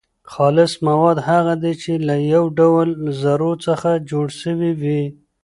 خالص مواد هغه دي چي له يو ډول ذرو څخه جوړ سوي وي.